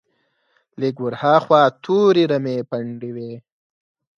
لږ ور هاخوا تورې رمې پنډې وې.